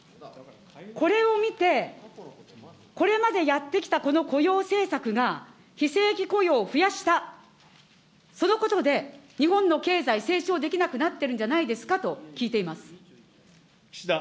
これを見て、これまでやってきたこの雇用政策が、非正規雇用を増やした、そのことで、日本の経済、成長できなくなってるんじゃないですかと聞いています。